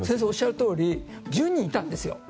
おっしゃるとおり１０人いたんです。